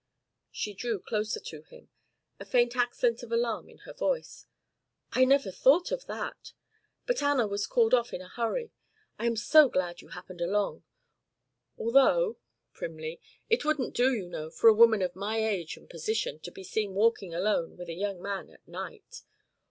She drew closer to him, a faint accent of alarm in her voice. "I never thought of that. But Anna was called off in a hurry. I am so glad you happened along. Although," primly, "it wouldn't do, you know, for a woman of my age and position to be seen walking alone with a young man at night."